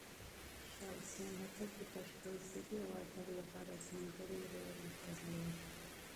شاه حسين هوتک د پښتو ژبې او ادب لپاره ځانګړی رول درلود.